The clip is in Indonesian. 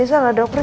tidak masalah baik